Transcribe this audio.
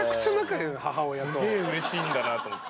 すげえうれしいんだなと思って。